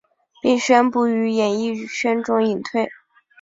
并宣布于演艺圈中隐退。